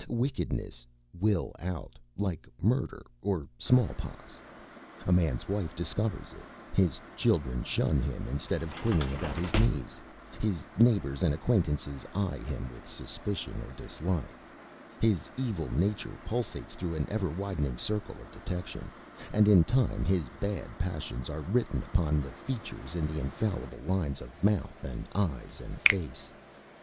Wickedness "will out," like murder or smallpox. A man's wife discovers it; his children shun him instead of clinging about his knees; his neighbors and acquaintances eye him with suspicion or dislike; his evil nature pulsates through an ever widening circle of detection, and in time nis bad passions are written upon his features in the infallible lines of mouth and eyes and face.